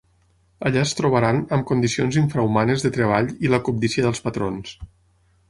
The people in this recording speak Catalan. Allà es trobaran amb condicions infrahumanes de treball i la cobdícia dels patrons.